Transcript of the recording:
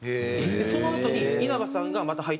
そのあとに稲葉さんがまた入ってくるんです。